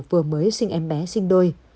vừa mới sinh em bé sinh đôi